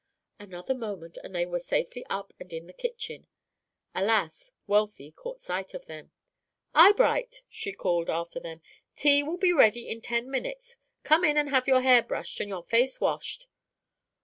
Another moment, and they were safely up and in the kitchen. Alas, Wealthy caught sight of them. "Eyebright," she called after them, "tea will be ready in ten minutes. Come in and have your hair brushed and your face washed."